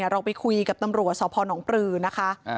เราไปคุยกับตำรวจสพนปลือนะคะ